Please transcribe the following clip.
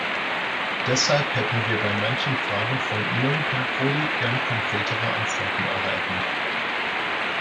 Deshalb hätten wir bei manchen Fragen von Ihnen, Herr Prodi, gern konkretere Antworten erhalten.